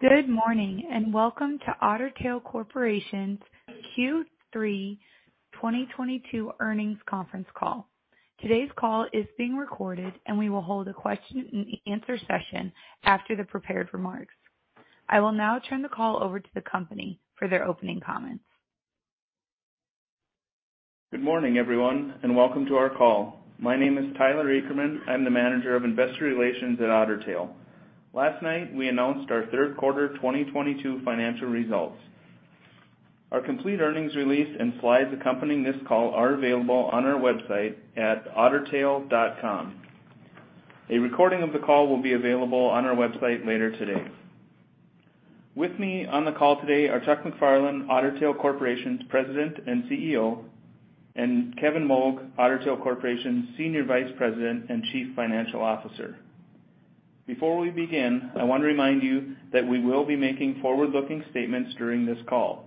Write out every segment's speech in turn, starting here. Good morning, and welcome to Otter Tail Corporation's Q3 2022 earnings conference call. Today's call is being recorded, and we will hold a question-and-answer session after the prepared remarks. I will now turn the call over to the company for their opening comments. Good morning, everyone, and welcome to our call. My name is Tyler Akerman. I'm the Manager of Investor Relations at Otter Tail. Last night, we announced our third quarter 2022 financial results. Our complete earnings release and slides accompanying this call are available on our website at ottertail.com. A recording of the call will be available on our website later today. With me on the call today are Chuck MacFarlane, Otter Tail Corporation's President and CEO, and Kevin Moug, Otter Tail Corporation's Senior Vice President and Chief Financial Officer. Before we begin, I want to remind you that we will be making forward-looking statements during this call.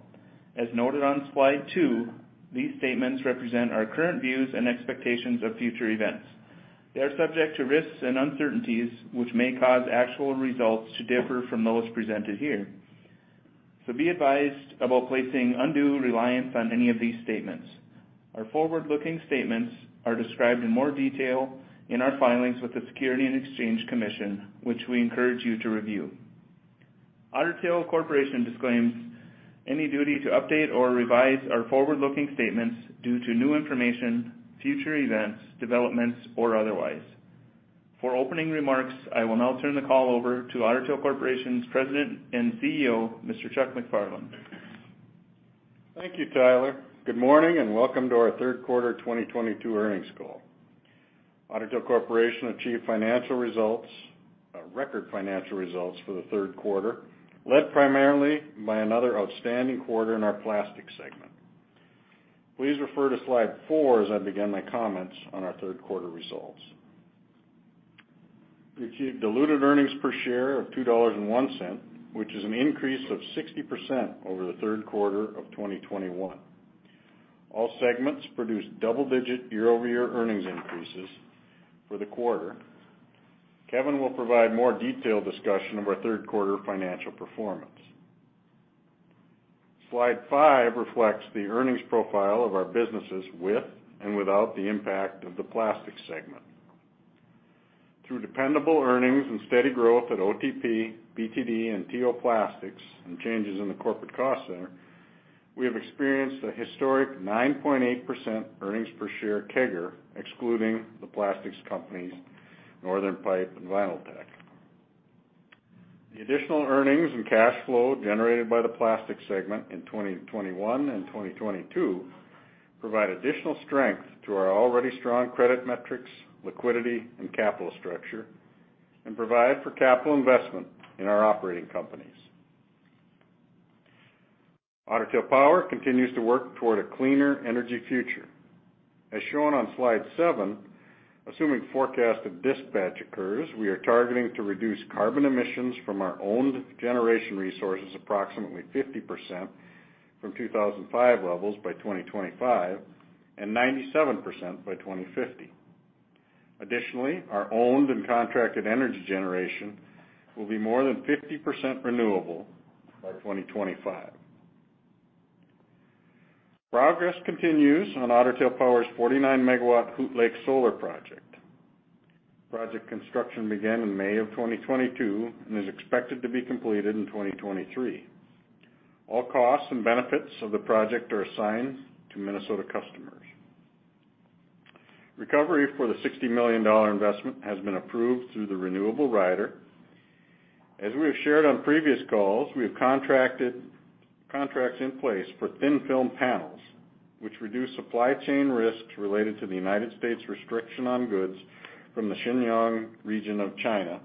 As noted on slide two, these statements represent our current views and expectations of future events. They are subject to risks and uncertainties, which may cause actual results to differ from those presented here, so be advised about placing undue reliance on any of these statements. Our forward-looking statements are described in more detail in our filings with the Securities and Exchange Commission, which we encourage you to review. Otter Tail Corporation disclaims any duty to update or revise our forward-looking statements due to new information, future events, developments, or otherwise. For opening remarks, I will now turn the call over to Otter Tail Corporation's President and CEO, Mr. Chuck MacFarlane. Thank you, Tyler. Good morning, and welcome to our third quarter 2022 earnings call. Otter Tail Corporation achieved record financial results for the third quarter, led primarily by another outstanding quarter in our plastics segment. Please refer to slide four as I begin my comments on our third quarter results. We achieved diluted EPS of $2.01, which is an increase of 60% over the third quarter of 2021. All segments produced double-digit year-over-year earnings increases for the quarter. Kevin will provide more detailed discussion of our third quarter financial performance. Slide five reflects the earnings profile of our businesses with and without the impact of the plastic segment. Through dependable earnings and steady growth at OTP, BTD, and T.O. Plastics and changes in the corporate cost center, we have experienced a historic 9.8% earnings per share CAGR excluding the plastics companies, Northern Pipe and Vinyltech. The additional earnings and cash flow generated by the plastic segment in 2021 and 2022 provide additional strength to our already strong credit metrics, liquidity and capital structure, and provide for capital investment in our operating companies. Otter Tail Power continues to work toward a cleaner energy future. As shown on slide seven, assuming forecasted dispatch occurs, we are targeting to reduce carbon emissions from our owned generation resources approximately 50% from 2005 levels by 2025 and 97% by 2050. Additionally, our owned and contracted energy generation will be more than 50% renewable by 2025. Progress continues on Otter Tail Power's 49-MW Hoot Lake Solar project. Project construction began in May 2022 and is expected to be completed in 2023. All costs and benefits of the project are assigned to Minnesota customers. Recovery for the $60 million investment has been approved through the renewable rider. As we have shared on previous calls, we have contracts in place for thin-film panels, which reduce supply chain risks related to the United States restriction on goods from the Xinjiang region of China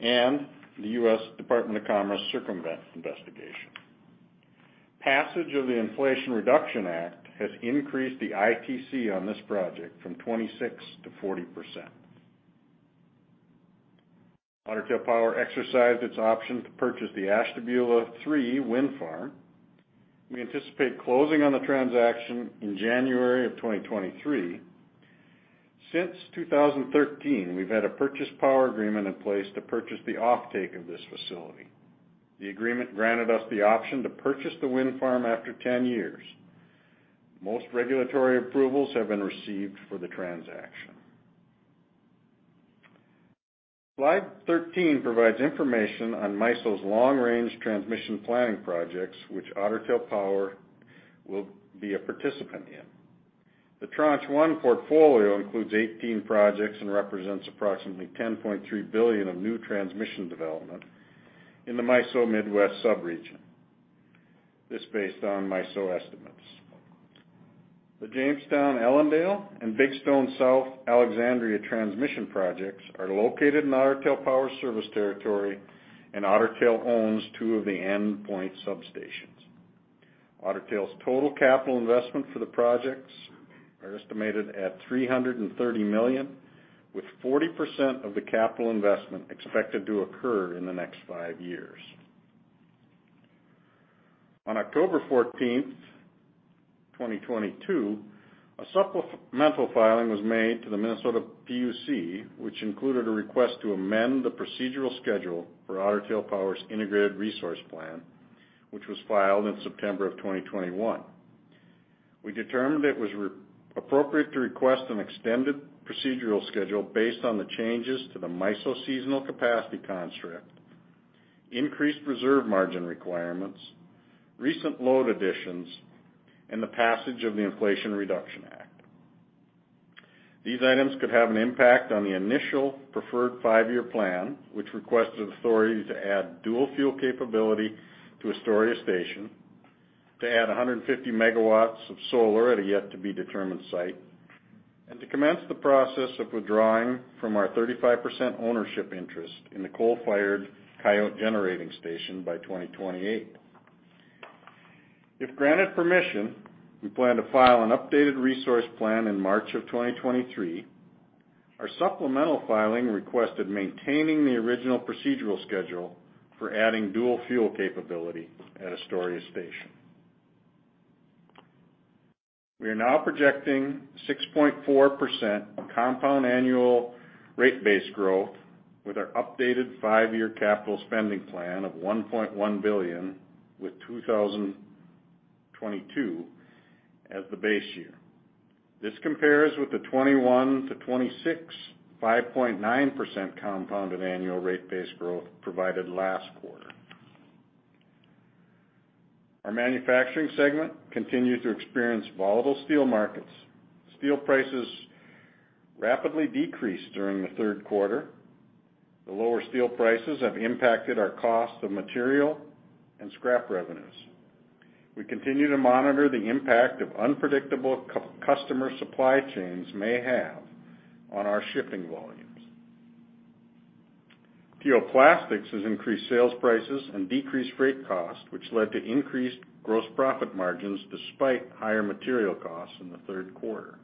and the U.S. Department of Commerce circumvention investigation. Passage of the Inflation Reduction Act has increased the ITC on this project from 26%-40%. Otter Tail Power exercised its option to purchase the Ashtabula III wind farm. We anticipate closing on the transaction in January 2023. Since 2013, we've had a power purchase agreement in place to purchase the offtake of this facility. The agreement granted us the option to purchase the wind farm after 10 years. Most regulatory approvals have been received for the transaction. Slide 13 provides information on MISO's long-range transmission planning projects, which Otter Tail Power will be a participant in. The Tranche One portfolio includes 18 projects and represents approximately $10.3 billion of new transmission development in the MISO Midwest sub-region. This is based on MISO estimates. The Jamestown-Ellendale and Big Stone South-Alexandria transmission projects are located in Otter Tail Power service territory, and Otter Tail owns two of the endpoint substations. Otter Tail's total capital investment for the projects are estimated at $330 million, with 40% of the capital investment expected to occur in the next five years. On October 14th, 2022, a supplemental filing was made to the Minnesota PUC, which included a request to amend the procedural schedule for Otter Tail Power's integrated resource plan, which was filed in September 2021. We determined it was appropriate to request an extended procedural schedule based on the changes to the MISO seasonal capacity construct, increased reserve margin requirements, recent load additions, and the passage of the Inflation Reduction Act. These items could have an impact on the initial preferred five-year plan, which requested authority to add dual fuel capability to Astoria Station, to add 150 MW of solar at a yet to be determined site, and to commence the process of withdrawing from our 35% ownership interest in the coal-fired Coyote Generating Station by 2028. If granted permission, we plan to file an updated resource plan in March 2023. Our supplemental filing requested maintaining the original procedural schedule for adding dual fuel capability at Astoria Station. We are now projecting 6.4% compound annual rate base growth with our updated five-year capital spending plan of $1.1 billion with 2022 as the base year. This compares with the 2021-2026, 5.9% compounded annual rate base growth provided last quarter. Our manufacturing segment continued to experience volatile steel markets. Steel prices rapidly decreased during the third quarter. The lower steel prices have impacted our cost of material and scrap revenues. We continue to monitor the impact of unpredictable customer supply chains may have on our shipping volumes. T.O. Plastics has increased sales prices and decreased freight costs, which led to increased gross profit margins despite higher material costs in the third quarter.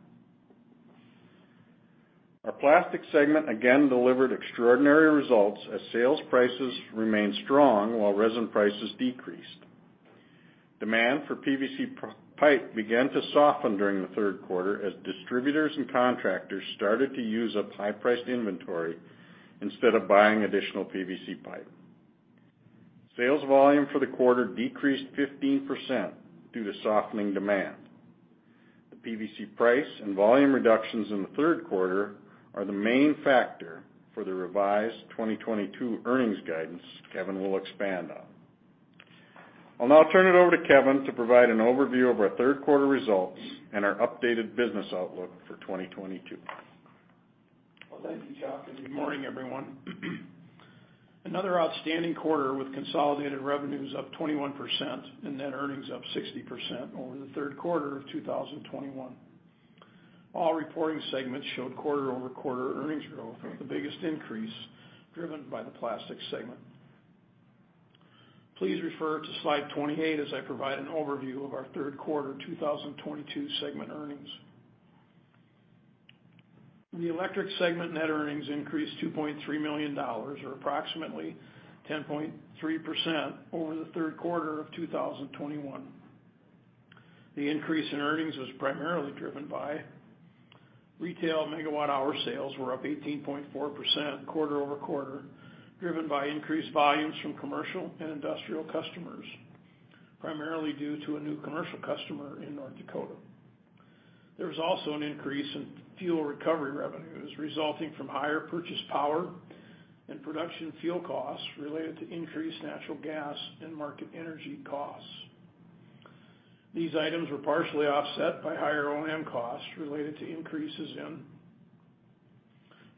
Our plastics segment again delivered extraordinary results as sales prices remained strong while resin prices decreased. Demand for PVC pipe began to soften during the third quarter as distributors and contractors started to use up high-priced inventory instead of buying additional PVC pipe. Sales volume for the quarter decreased 15% due to softening demand. The PVC price and volume reductions in the third quarter are the main factor for the revised 2022 earnings guidance Kevin will expand on. I'll now turn it over to Kevin to provide an overview of our third quarter results and our updated business outlook for 2022. Well, thank you, Chuck, and good morning, everyone. Another outstanding quarter with consolidated revenues up 21% and net earnings up 60% over the third quarter of 2021. All reporting segments showed quarter-over-quarter earnings growth, with the biggest increase driven by the plastics segment. Please refer to slide 28 as I provide an overview of our third quarter 2022 segment earnings. The electric segment net earnings increased $2.3 million or approximately 10.3% over the third quarter of 2021. The increase in earnings was primarily driven by retail megawatt hour sales were up 18.4% quarter-over-quarter, driven by increased volumes from commercial and industrial customers, primarily due to a new commercial customer in North Dakota. There was also an increase in fuel recovery revenues resulting from higher purchased power and production fuel costs related to increased natural gas and market energy costs. These items were partially offset by higher O&M costs related to increases in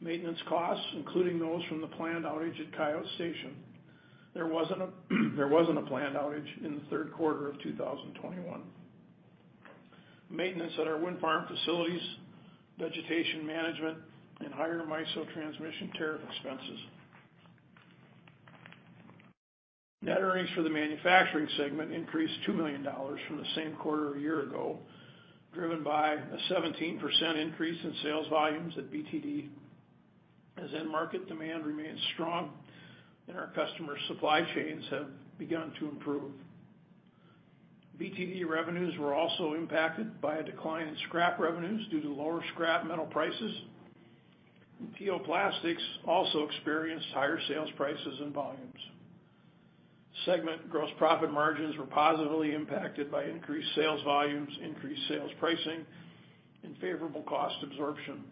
maintenance costs, including those from the planned outage at Coyote Station. There wasn't a planned outage in the third quarter of 2021. Maintenance at our wind farm facilities, vegetation management, and higher MISO transmission tariff expenses. Net earnings for the manufacturing segment increased $2 million from the same quarter a year ago, driven by a 17% increase in sales volumes at BTD as end market demand remains strong and our customer supply chains have begun to improve. BTD revenues were also impacted by a decline in scrap revenues due to lower scrap metal prices, and T.O. Plastics also experienced higher sales prices and volumes. Segment gross profit margins were positively impacted by increased sales volumes, increased sales pricing, and favorable cost absorption.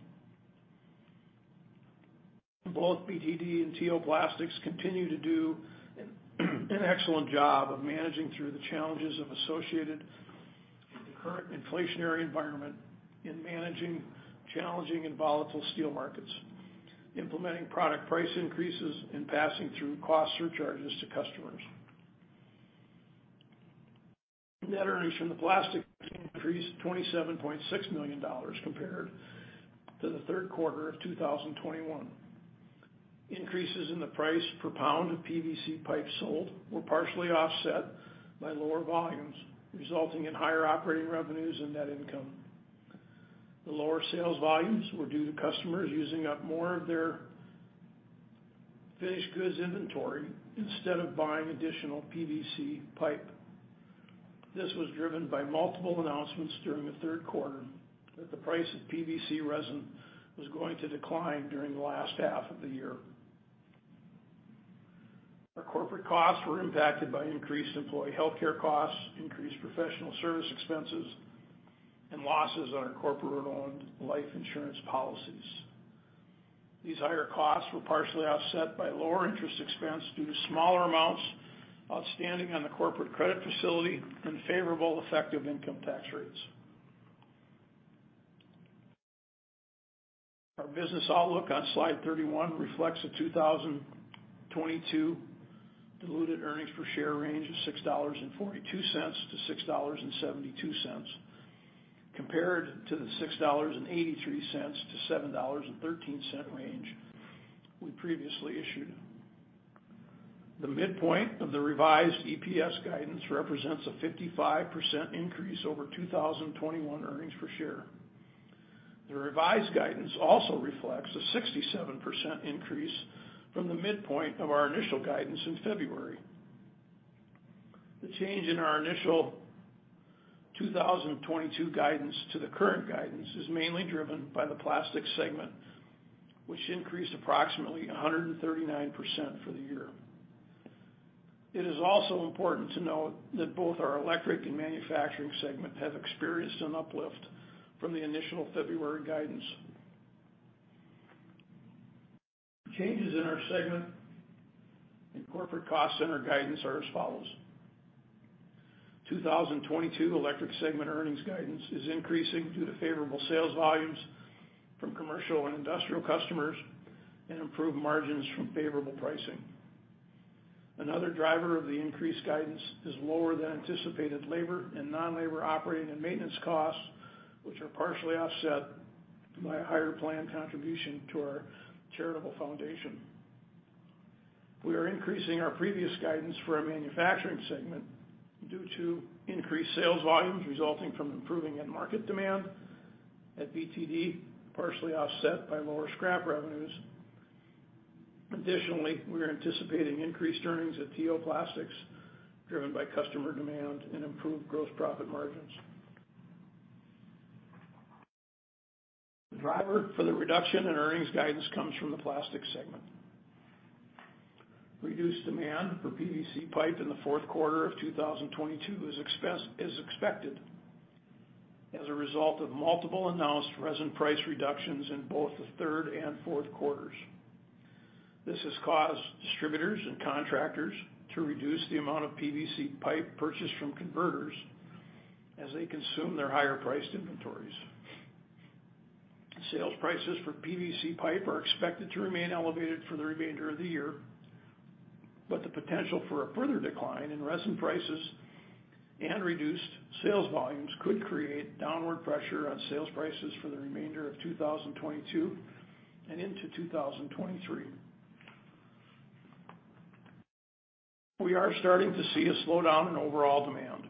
Both BTD and T.O. Plastics continue to do an excellent job of managing through the challenges of associated current inflationary environment in managing challenging and volatile steel markets, implementing product price increases, and passing through cost surcharges to customers. Net earnings from the plastics increased $27.6 million compared to the third quarter of 2021. Increases in the price per pound of PVC pipe sold were partially offset by lower volumes, resulting in higher operating revenues and net income. The lower sales volumes were due to customers using up more of their finished goods inventory instead of buying additional PVC pipe. This was driven by multiple announcements during the third quarter that the price of PVC resin was going to decline during the last half of the year. Our corporate costs were impacted by increased employee healthcare costs, increased professional service expenses, and losses on our corporate-owned life insurance policies. These higher costs were partially offset by lower interest expense due to smaller amounts outstanding on the corporate credit facility and favorable effective income tax rates. Our business outlook on slide 31 reflects a 2022 diluted earnings per share range of $6.42-$6.72, compared to the $6.83-$7.13 range we previously issued. The midpoint of the revised EPS guidance represents a 55% increase over 2021 earnings per share. The revised guidance also reflects a 67% increase from the midpoint of our initial guidance in February. The change in our initial 2022 guidance to the current guidance is mainly driven by the Plastics segment, which increased approximately 139% for the year. It is also important to note that both our Electric and Manufacturing segment have experienced an uplift from the initial February guidance. Changes in our segment and corporate cost center guidance are as follows. 2022 Electric segment earnings guidance is increasing due to favorable sales volumes from commercial and industrial customers and improved margins from favorable pricing. Another driver of the increased guidance is lower than anticipated labor and non-labor operating and maintenance costs, which are partially offset by a higher plan contribution to our charitable foundation. We are increasing our previous guidance for our Manufacturing segment due to increased sales volumes resulting from improving end market demand at BTD, partially offset by lower scrap revenues. Additionally, we are anticipating increased earnings at T.O. Plastics driven by customer demand and improved gross profit margins. The driver for the reduction in earnings guidance comes from the Plastics segment. Reduced demand for PVC pipe in the fourth quarter of 2022 is expected as a result of multiple announced resin price reductions in both the third and fourth quarters. This has caused distributors and contractors to reduce the amount of PVC pipe purchased from converters as they consume their higher-priced inventories. Sales prices for PVC pipe are expected to remain elevated for the remainder of the year, but the potential for a further decline in resin prices and reduced sales volumes could create downward pressure on sales prices for the remainder of 2022 and into 2023. We are starting to see a slowdown in overall demand.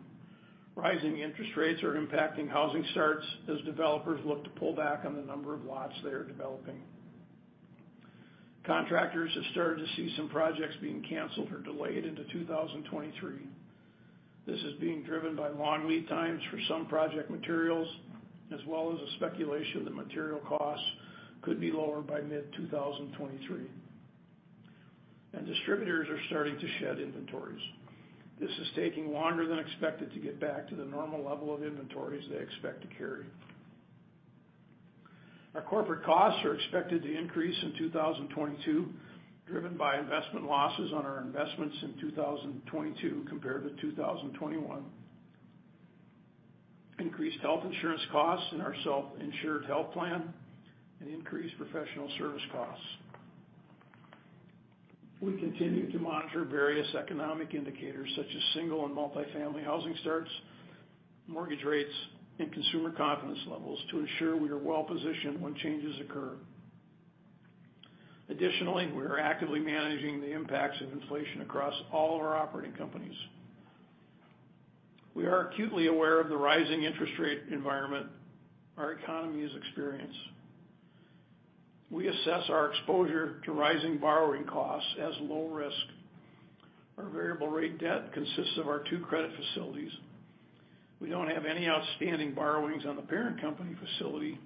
Rising interest rates are impacting housing starts as developers look to pull back on the number of lots they are developing. Contractors have started to see some projects being canceled or delayed into 2023. This is being driven by long lead times for some project materials as well as a speculation that material costs could be lower by mid 2023. Distributors are starting to shed inventories. This is taking longer than expected to get back to the normal level of inventories they expect to carry. Our corporate costs are expected to increase in 2022, driven by investment losses on our investments in 2022 compared to 2021, increased health insurance costs in our self-insured health plan, and increased professional service costs. We continue to monitor various economic indicators such as single and multi-family housing starts, mortgage rates, and consumer confidence levels to ensure we are well-positioned when changes occur. Additionally, we are actively managing the impacts of inflation across all of our operating companies. We are acutely aware of the rising interest rate environment our economy has experienced. We assess our exposure to rising borrowing costs as low risk. Our variable rate debt consists of our two credit facilities. We don't have any outstanding borrowings on the parent company facility,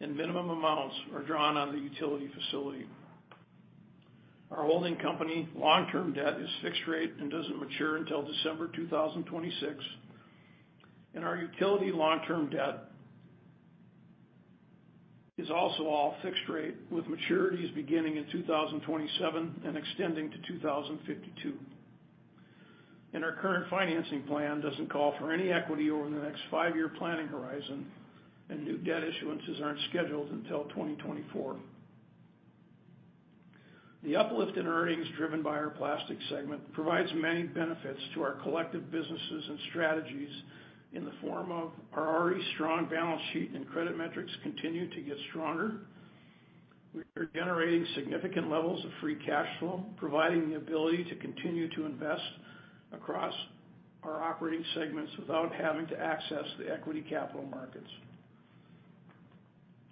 and minimum amounts are drawn on the utility facility. Our holding company long-term debt is fixed rate and doesn't mature until December 2026, and our utility long-term debt is also all fixed rate with maturities beginning in 2027 and extending to 2052. Our current financing plan doesn't call for any equity over the next five-year planning horizon, and new debt issuances aren't scheduled until 2024. The uplift in earnings driven by our Plastics segment provides many benefits to our collective businesses and strategies in the form of our already strong balance sheet, and credit metrics continue to get stronger. We are generating significant levels of free cash flow, providing the ability to continue to invest across our operating segments without having to access the equity capital markets.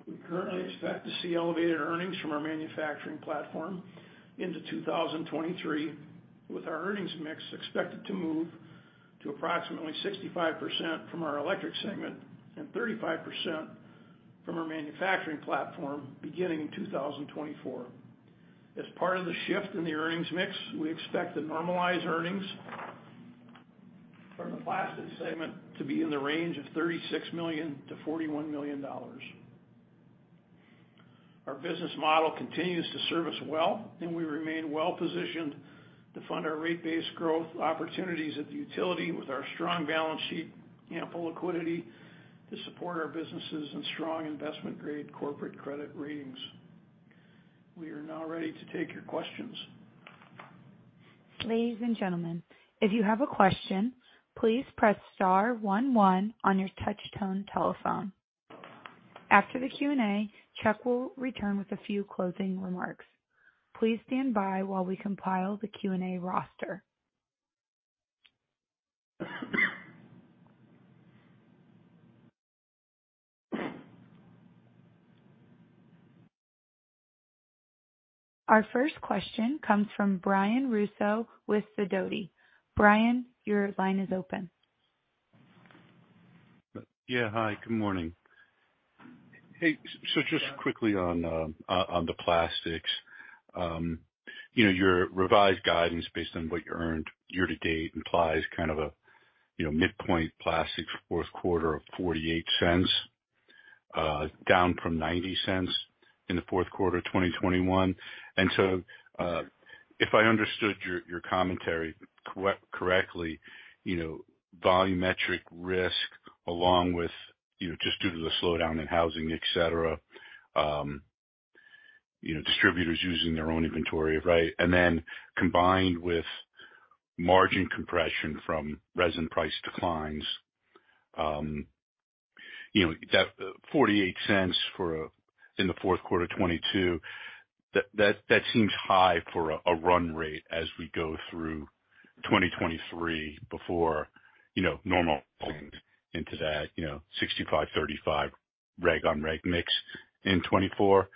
We currently expect to see elevated earnings from our manufacturing platform into 2023, with our earnings mix expected to move to approximately 65% from our electric segment and 35% from our manufacturing platform beginning in 2024. As part of the shift in the earnings mix, we expect to normalize earnings from the plastic segment to be in the range of $36 million-$41 million. Our business model continues to serve us well, and we remain well positioned to fund our rate-based growth opportunities at the utility with our strong balance sheet, ample liquidity to support our businesses and strong investment grade corporate credit ratings. We are now ready to take your questions. Ladies and gentlemen, if you have a question, please press star one one on your touch-tone telephone. After the Q&A, Chuck will return with a few closing remarks. Please stand by while we compile the Q&A roster. Our first question comes from Brian Russo with Sidoti. Brian, your line is open. Yeah. Hi, good morning. Hey, so just quickly on the Plastics. You know, your revised guidance based on what you earned year-to-date implies kind of a midpoint Plastics fourth quarter of $0.48, down from $0.90 in the fourth quarter of 2021. If I understood your commentary correctly, you know, volumetric risk along with just due to the slowdown in housing, et cetera, distributors using their own inventory, right? Then combined with margin compression from resin price declines, you know, that $0.48 in the fourth quarter of 2022 seems high for a run rate as we go through 2023 before, you know, normalizing into that 65-35 reg-on-reg mix in 2024.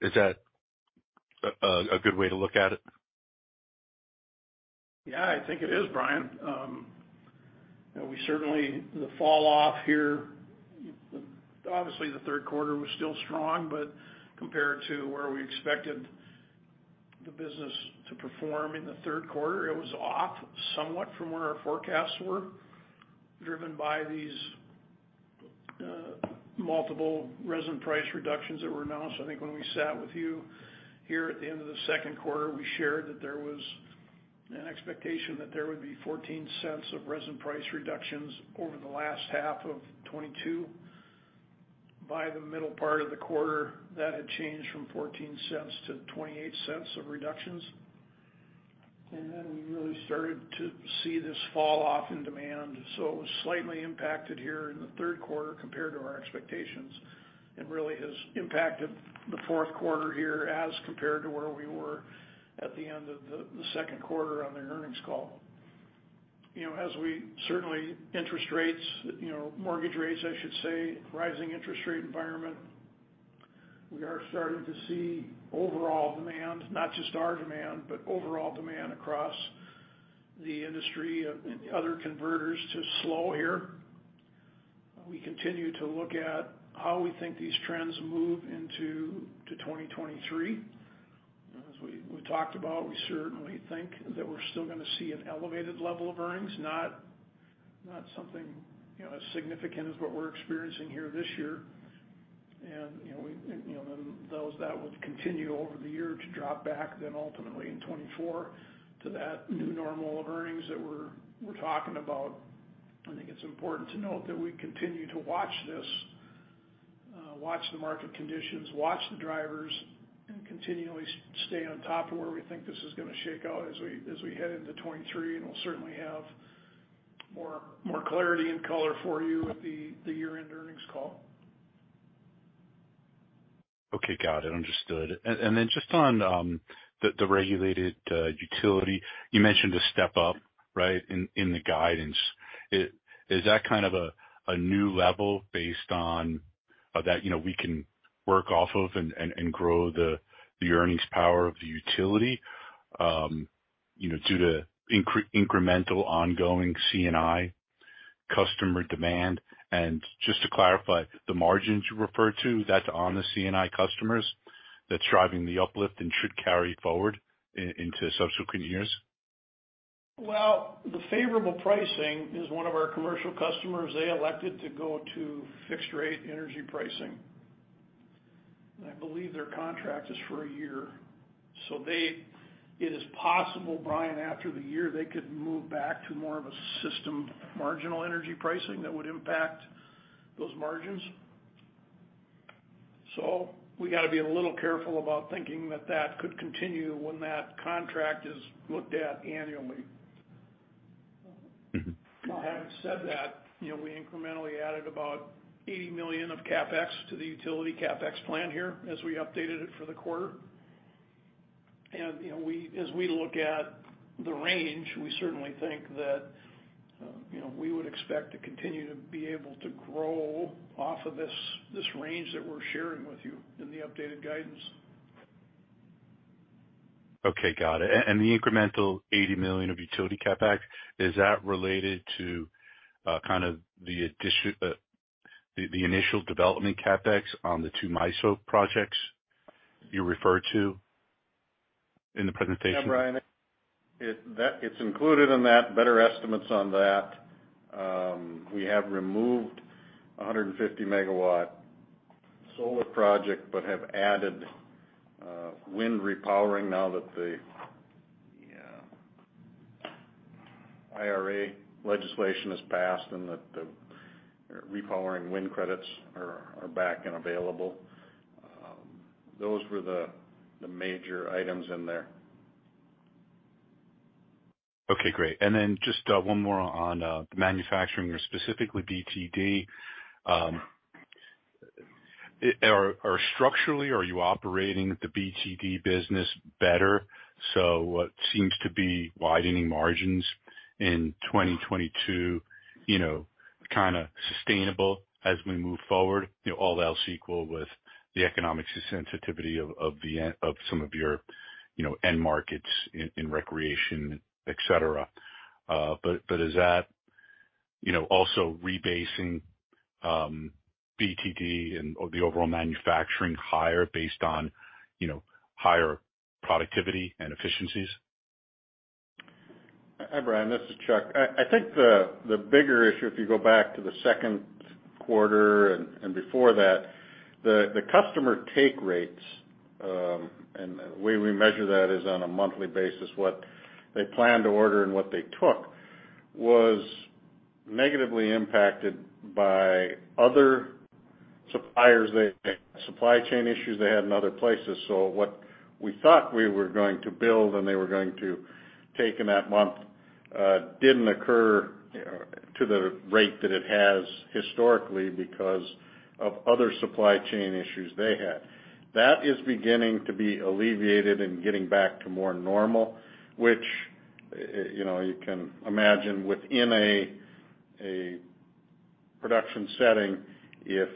Is that a good way to look at it? Yeah, I think it is, Brian. We certainly, the fall off here, obviously the third quarter was still strong, but compared to where we expected the business to perform in the third quarter, it was off somewhat from where our forecasts were, driven by these multiple resin price reductions that were announced. I think when we sat with you here at the end of the second quarter, we shared that there was an expectation that there would be $0.14 of resin price reductions over the last half of 2022. By the middle part of the quarter, that had changed from $0.14 to $0.28 of reductions. Then we really started to see this fall off in demand. It was slightly impacted here in the third quarter compared to our expectations, and really has impacted the fourth quarter here as compared to where we were at the end of the second quarter on the earnings call. You know, as we see interest rates, you know, mortgage rates, I should say, rising interest rate environment, we are starting to see overall demand, not just our demand, but overall demand across the industry of other converters to slow here. We continue to look at how we think these trends move into 2023. As we talked about, we certainly think that we're still going to see an elevated level of earnings, not something, you know, as significant as what we're experiencing here this year. You know, we, you know, those that would continue over the year to drop back then ultimately in 2024 to that new normal of earnings that we're talking about. I think it's important to note that we continue to watch this, watch the market conditions, watch the drivers, and continually stay on top of where we think this is going to shake out as we head into 2023, and we'll certainly have more clarity and color for you at the year-end earnings call. Okay. Got it. Understood. Just on the regulated utility, you mentioned a step up, right? In the guidance. Is that kind of a new level based on that, you know, we can work off of and grow the earnings power of the utility, you know, due to incremental ongoing C&I customer demand? Just to clarify, the margins you refer to, that's on the C&I customers that's driving the uplift and should carry forward into subsequent years? Well, the favorable pricing is one of our commercial customers. They elected to go to fixed rate energy pricing. I believe their contract is for a year. It is possible, Brian, after the year, they could move back to more of a system marginal energy pricing that would impact those margins. We got to be a little careful about thinking that could continue when that contract is looked at annually. Having said that, you know, we incrementally added about $80 million of CapEx to the utility CapEx plan here as we updated it for the quarter. You know, as we look at the range, we certainly think that, you know, we would expect to continue to be able to grow off of this range that we're sharing with you in the updated guidance. Okay, got it. The incremental $80 million of utility CapEx, is that related to the initial development CapEx on the two MISO projects you referred to in the presentation? Yeah, Brian, it's included in that, better estimates on that. We have removed a 150-MW solar project, but have added wind repowering now that the IRA legislation has passed and that the repowering wind credits are back and available. Those were the major items in there. Okay, great. Just one more on manufacturing or specifically BTD. Structurally, are you operating the BTD business better? What seems to be widening margins in 2022, you know, kinda sustainable as we move forward, you know, all else equal with the economic sensitivity of some of your, you know, end markets in recreation, et cetera. Is that, you know, also rebasing BTD and/or the overall manufacturing higher based on, you know, higher productivity and efficiencies? Hi, Brian, this is Chuck. I think the bigger issue, if you go back to the second quarter and before that, the customer take rates, and the way we measure that is on a monthly basis, what they plan to order and what they took, was negatively impacted by other suppliers. They had supply chain issues they had in other places. What we thought we were going to build and they were going to take in that month didn't occur to the rate that it has historically because of other supply chain issues they had. That is beginning to be alleviated and getting back to more normal, which, you know, you can imagine within a production setting, if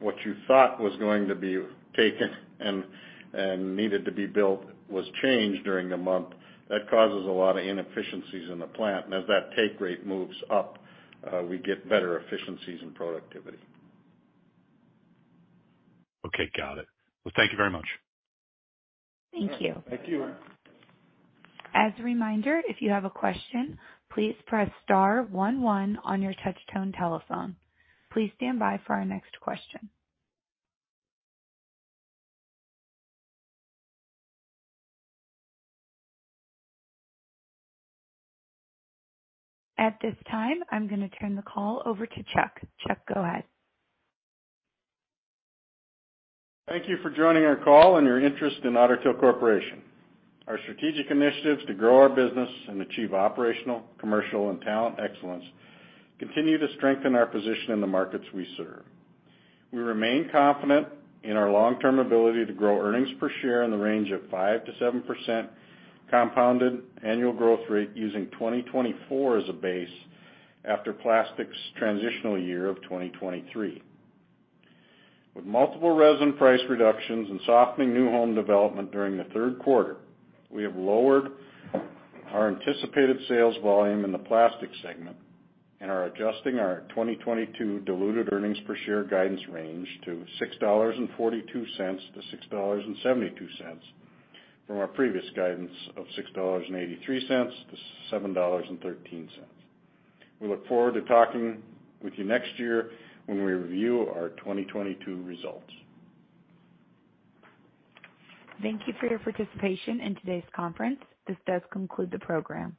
what you thought was going to be taken and needed to be built was changed during the month, that causes a lot of inefficiencies in the plant. As that take rate moves up, we get better efficiencies and productivity. Okay, got it. Well, thank you very much. Thank you. Thank you. As a reminder, if you have a question, please press star one one on your touch tone telephone. Please stand by for our next question. At this time, I'm gonna turn the call over to Chuck. Chuck, go ahead. Thank you for joining our call and your interest in Otter Tail Corporation. Our strategic initiatives to grow our business and achieve operational, commercial, and talent excellence continue to strengthen our position in the markets we serve. We remain confident in our long-term ability to grow earnings per share in the range of 5%-7% compounded annual growth rate using 2024 as a base after plastics transitional year of 2023. With multiple resin price reductions and softening new home development during the third quarter, we have lowered our anticipated sales volume in the Plastic segment and are adjusting our 2022 diluted earnings per share guidance range to $6.42-$6.72 from our previous guidance of $6.83-$7.13. We look forward to talking with you next year when we review our 2022 results. Thank you for your participation in today's conference. This does conclude the program.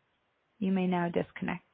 You may now disconnect.